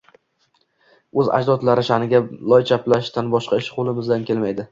O’z ajdodlari sha’niga loy chaplashdan boshqa ish qo‘lidan kelmaydi».